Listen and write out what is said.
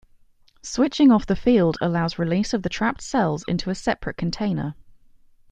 Switching off the field allows release of the trapped cells into a separate container.